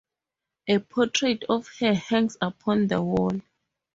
A portrait of her hangs upon the wall.